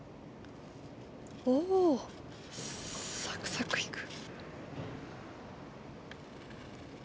おサクサクいく。